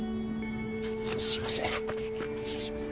すいません失礼します。